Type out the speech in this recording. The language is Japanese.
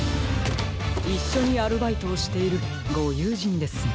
いっしょにアルバイトをしているごゆうじんですね。